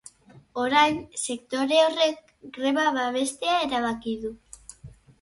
Orain, sektore horrek greba babestea erabaki du.